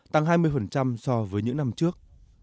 tăng hai mươi so với những năm trước